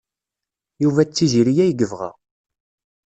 Yuba d Tiziri ay yebɣa.